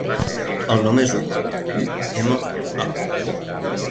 El nom és Uma: u, ema, a.